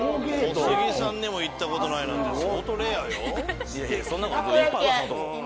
小杉さんでも行った事ないなんて相当レアよ。